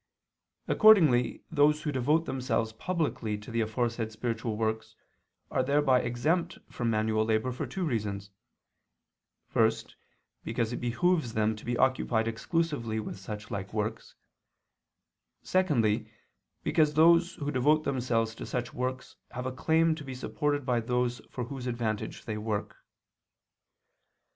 Accordingly those who devote themselves publicly to the aforesaid spiritual works are thereby exempt from manual labor for two reasons: first, because it behooves them to be occupied exclusively with such like works; secondly, because those who devote themselves to such works have a claim to be supported by those for whose advantage they work.